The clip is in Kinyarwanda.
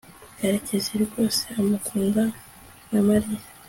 karekezi rwose akundana na mariya